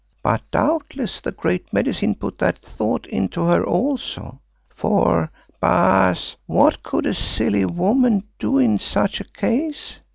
But doubtless the Great Medicine put that thought into her also, for, Baas, what could a silly woman do in such a case?